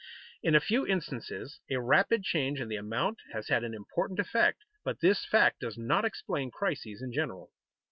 In a few instances a rapid change in the amount has had an important effect, but this fact does not explain crises in general.